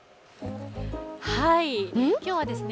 はい、きょうはですね